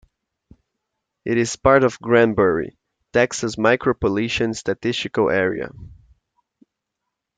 It is part of the Granbury, Texas Micropolitan Statistical Area.